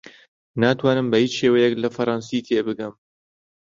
ناتوانم بە هیچ شێوەیەک لە فەڕەنسی تێبگەم.